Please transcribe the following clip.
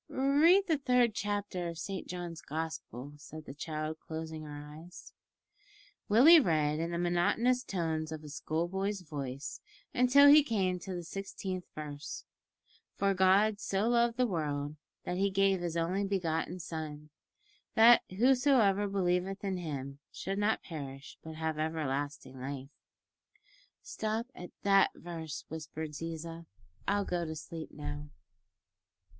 "Read the third chapter of Saint John's Gospel," said the child, closing her eyes. Willie read in the monotonous tones of a schoolboy's voice until he came to the sixteenth verse, "For God so loved the world, that He gave His only begotten Son, that whosoever believeth in Him should not perish, but have everlasting life." "Stop at that verse," whispered Ziza. "I'll go to sleep now."